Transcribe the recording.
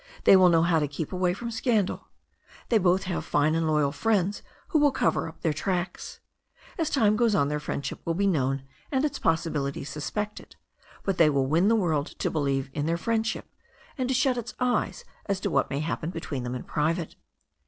They will know how to keep away from scandal. They both have fine and loyal friends who will cover up their tracks. As time goes on their friendship will be known and its possibilities suspected, but they will win the world to believe in their friendship, and to shut its eyes to what may happen between them in private.